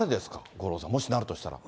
五郎さん、もしなるとすれば。